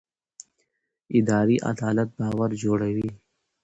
اداري عدالت باور جوړوي